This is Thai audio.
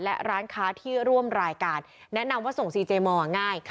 และร้านค้าที่ร่วมรายการแนะนำว่าส่งซีเจมอร์ง่าย